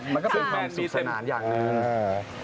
มันก็เป็นปังสุขสนานอย่างนั้น